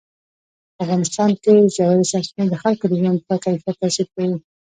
په افغانستان کې ژورې سرچینې د خلکو د ژوند په کیفیت تاثیر کوي.